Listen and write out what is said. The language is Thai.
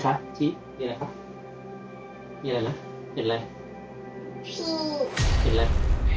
เดี๋ยวมาดูนะครับ